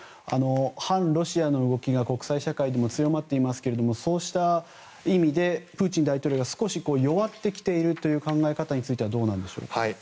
反ロシアの動きが国際社会にも強まっていますがそうした意味でプーチン大統領が少し弱ってきているという考え方についてはどうなんでしょう。